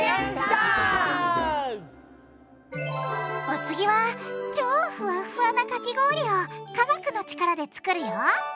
お次は超フワッフワなかき氷を科学の力で作るよ！